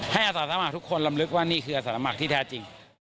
อาสาสมัครทุกคนลำลึกว่านี่คืออาสาสมัครที่แท้จริง